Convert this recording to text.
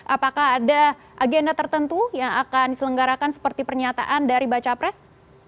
apakah ada agenda tertentu yang akan diselenggarakan seperti pernyataan dari baca pres